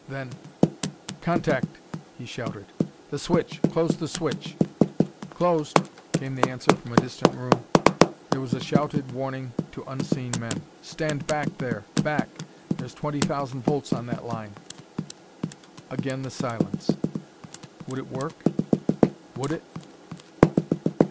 Then: "Contact!" he shouted. "The switch! Close the switch!" "Closed!" came the answer from a distant room. There was a shouted warning to unseen men: "Stand back there back there's twenty thousand volts on that line " Again the silence.... "Would it work? Would it?"